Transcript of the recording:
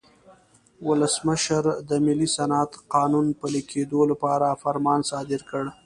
ولسمشر د ملي صنعت قانون پلي کېدو لپاره فرمان صادر کړ.